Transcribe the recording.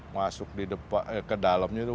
masuk ke dalamnya itu